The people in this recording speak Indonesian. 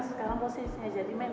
sekarang posisinya jadi main